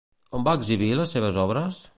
On va exhibir les seves obres?